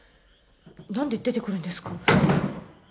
なんで出てくるんですか？